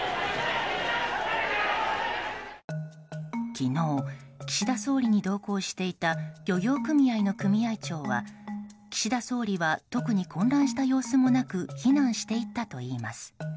昨日岸田総理に同行していた漁業組合の組合長は岸田総理は特に混乱した様子もなく避難していったといいます。